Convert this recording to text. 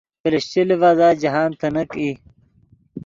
پلشچے لیڤزا جاہند تینیک ای